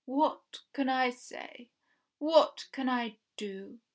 what can I say? What can I do?"